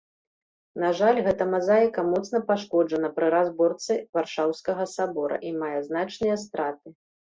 На жаль, гэта мазаіка моцна пашкоджана пры разборцы варшаўскага сабора і мае значныя страты.